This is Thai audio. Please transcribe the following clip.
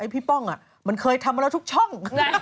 ไอ้พี่ป้องอ่ะมันเคยทำมาเราทุกช่อง